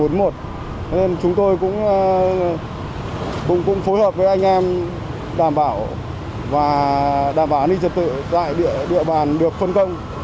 nên chúng tôi cũng phối hợp với anh em đảm bảo và đảm bảo an ninh trật tự tại địa bàn được phân công